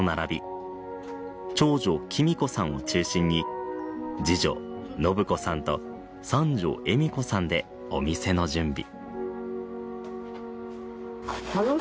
長女貴美子さんを中心に次女信子さんと三女恵美子さんでお店の準備。